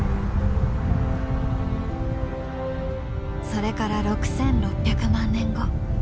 それから６，６００万年後。